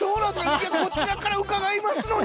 いやこちらから伺いますのに。